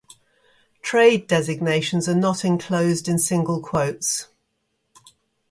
Trade designations are not enclosed in single quotes.